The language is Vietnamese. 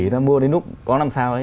người ta mua đến lúc có làm sao ấy